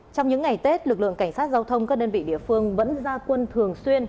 trong những ngày tết lực lượng cảnh sát giao thông các đơn vị địa phương vẫn ra quân thường xuyên